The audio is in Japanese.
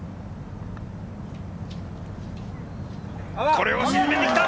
これを沈めてきた！